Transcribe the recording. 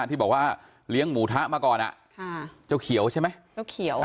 ที่บอกว่าเลี้ยงหมูทะมาก่อนเจ้าเขียวใช่ไหมเจ้าเขียว